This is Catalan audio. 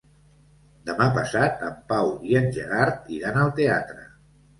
Demà passat en Pau i en Gerard iran al teatre.